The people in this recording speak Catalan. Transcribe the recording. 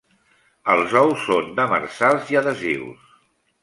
Els ous són demersals i adhesius.